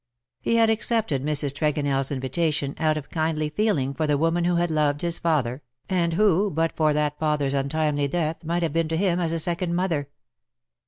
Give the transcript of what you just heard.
He had accepted Mrs. TregonelFs in vitation out of kindly feeling for the woman who had loved his father, and who, but for that father's untimely death, might have been to him as a second mother.